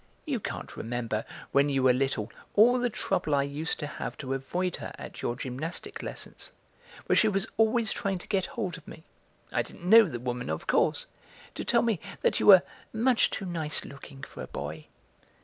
You can't remember, when you were little, all the trouble I used to have to avoid her at your gymnastic lessons, where she was always trying to get hold of me I didn't know the woman, of course to tell me that you were 'much too nice looking for a boy.'